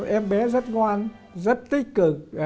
em bé rất ngoan rất tích cực